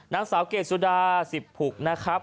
นางสาวเกรดสุดาสิบผุกนะครับ